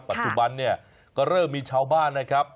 ปัจจุบันเนี่ยก็เริ่มมีชาวบ้านนะครับ